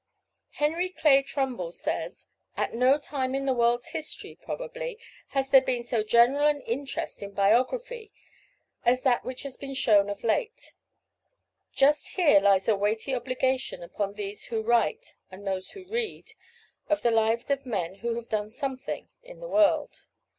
Henry Clay Trumbull says: "At no time in the world's history, probably, has there been so general an interest in biography as that which has been shown of late. Just here lies a weighty obligation upon these who write, and those who read, of the lives of men who have done something in the world.